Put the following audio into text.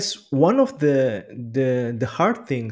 salah satu hal yang